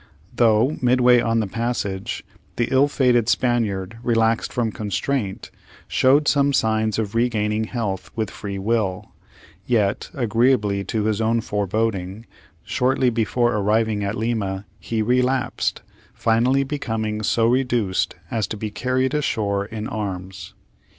Though, midway on the passage, the ill fated Spaniard, relaxed from constraint, showed some signs of regaining health with free will; yet, agreeably to his own foreboding, shortly before arriving at Lima, he relapsed, finally becoming so reduced as to be carried ashore in arms.